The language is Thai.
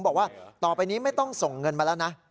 บอกว่าต่อไปนี้ไม่ต้องส่งเงินมาแล้วนะ